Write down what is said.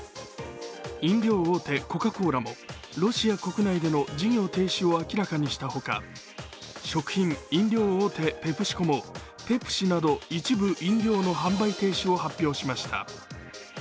飲料大手コカ・コーラもロシア国内での事業停止を明らかにしたほか、食品・飲料大手ペプシコもペプシなど一部飲料の販売停止を発表しました。